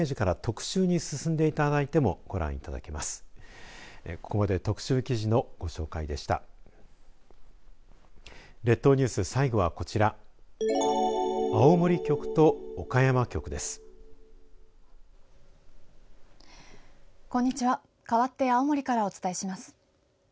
かわって青森からお伝えします。